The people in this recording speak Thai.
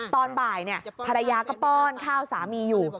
ตอนบ่ายภรรยาก็ป้อนข้าวสามีอยู่